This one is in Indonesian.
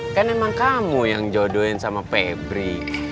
kan emang kamu yang jodohin sama pebri